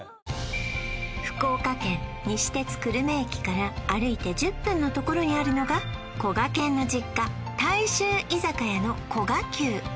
福岡県西鉄久留米駅から歩いて１０分のところにあるのがこがけんの実家大衆居酒屋の古賀久